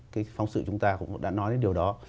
cái phóng sự chúng ta cũng đã nói đến điều đó